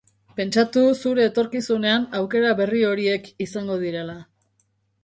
Pentsatu zure etorkizunean aukera berri horiek izango direla.